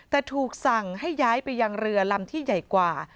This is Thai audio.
แต่ถูกสั่งให้ย้ายไปยังเรือลำที่ใหญ่กว่า